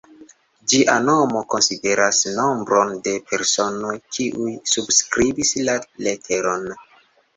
Ĝia nomo konsideras nombron de personoj, kiuj subskribis la leteron.